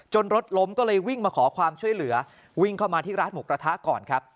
รถล้มก็เลยวิ่งมาขอความช่วยเหลือวิ่งเข้ามาที่ร้านหมูกระทะก่อนครับ